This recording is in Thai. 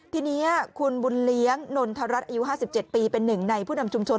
ทีนี้คุณบุญเลี้ยงนนทรัฐอายุ๕๗ปีเป็นหนึ่งในผู้นำชุมชน